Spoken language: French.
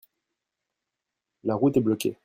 La route est bloquée.